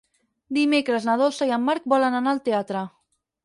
Dimecres na Dolça i en Marc volen anar al teatre.